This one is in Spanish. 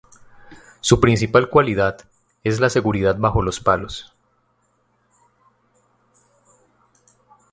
Su principal cualidad es la seguridad bajos los palos.